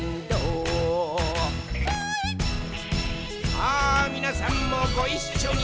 さあ、みなさんもごいっしょに！